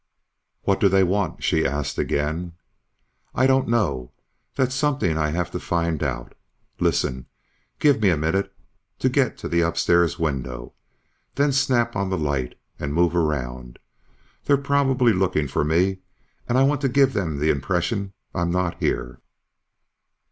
"What do they want?" She asked again. "I don't know. That's something I have to find out. Listen, give me a minute to get to the upstairs window. Then snap on the light and move around. They're probably looking for me and I want to give them the impression I'm not here."